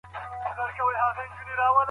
په وليمه کي صالح خلک رابلل.